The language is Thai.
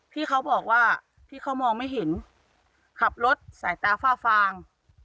พี่เขาบอกว่าพี่เขามองไม่เห็นขับรถสายตาฝ้าฟาง